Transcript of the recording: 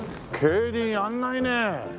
競輪やらないね